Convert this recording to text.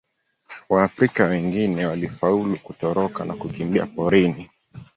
Waafrika wengine walifaulu kutoroka na kukimbia porini.